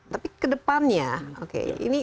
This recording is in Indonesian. tapi kedepannya oke ini